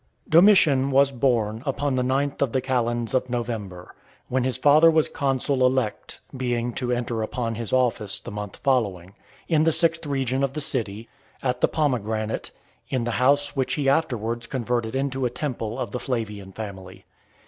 Domitian was born upon the ninth of the calends of November [24th October] , when his father was consul elect, (being to enter upon his office the month following,) in the sixth region of the city, at the Pomegranate , in the house which he afterwards converted into a temple of the Flavian family.